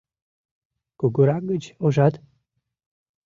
— Кугурак гыч, ужат?